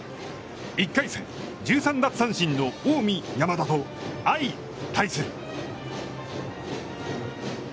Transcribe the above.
１回戦、１３奪三振の近江、山田と相対する。